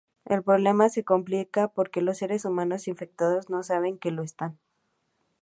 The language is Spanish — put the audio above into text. El problema se complica porque los seres humanos infectados no saben que lo están.